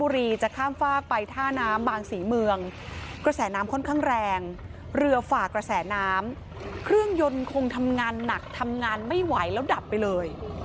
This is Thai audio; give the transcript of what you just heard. เรือฝากกระแสน้ำเครื่องยนต์คงทำงานหนักทำงานไม่ไหวแล้วดับไปเลย